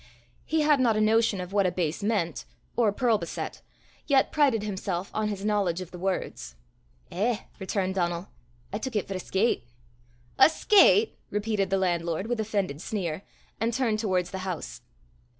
He had not a notion of what a base meant, or pearl beset, yet prided himself on his knowledge of the words. "Eh," returned Donal, "I took it for a skate!" "A skate!" repeated the landlord with offended sneer, and turned towards the house.